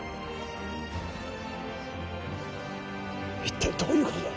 一体どういうことだ？